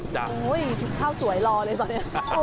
โอ้โหข้าวสวยรอเลยตอนนี้